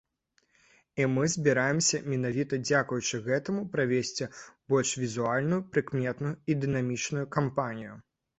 І мы збіраемся менавіта дзякуючы гэтаму правесці больш візуальную, прыкметную і дынамічную кампанію.